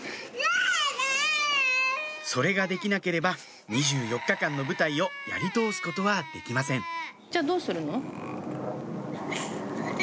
それができなければ２４日間の舞台をやり通すことはできません